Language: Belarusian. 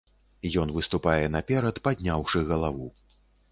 Ён выступае наперад, падняўшы галаву.